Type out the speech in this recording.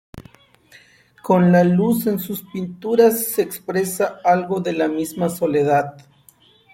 Con la luz en sus pinturas se expresa algo de la misma soledad.